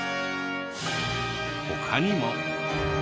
他にも。